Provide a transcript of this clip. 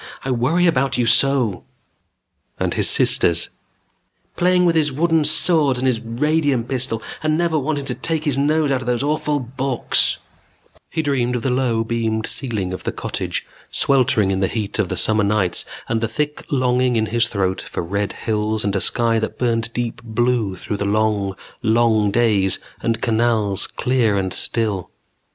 I worry about you so _" And his sisters: "_Playing with his wooden swords and his radium pistol and never wanting to take his nose out of those awful books _" He dreamed of the low, beamed ceiling of the cottage, sweltering in the heat of the summer nights and the thick longing in his throat for red hills and a sky that burned deep blue through the long, long days and canals, clear and still.